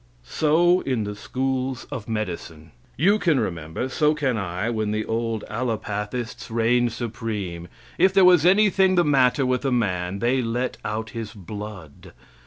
So in the schools of medicine. You can remember, so can I, when the old alopathists reigned supreme. If there was anything the matter with a man, they let out his blood.